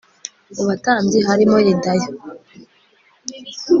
mu batambyi harimo yedaya